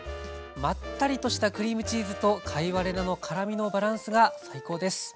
まったりとしたクリームチーズと貝割れ菜の辛みのバランスが最高です。